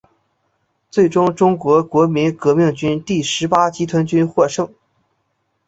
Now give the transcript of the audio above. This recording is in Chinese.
最终中国国民革命军第十八集团军获胜。